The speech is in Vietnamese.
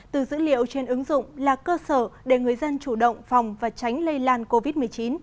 từ dữ liệu trên ứng dụng là cơ sở để người dân chủ động phòng và tránh lây lan covid một mươi chín